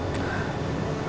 kita tidak bisa memutar waktu